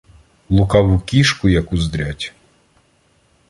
Лукаву кішку як уздрять.